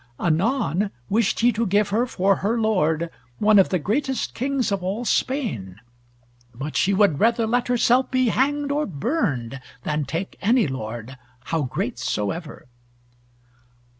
Anon wished he to give her for her lord one of the greatest kings of all Spain, but she would rather let herself be hanged or burned, than take any lord, how great soever."